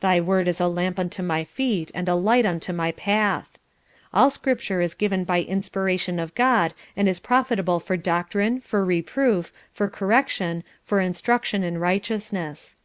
"Thy word is a lamp unto my feet and a light unto my path." "All Scripture is given by inspiration of God and is profitable for doctrine, for reproof, for correction, for instruction in righteousness."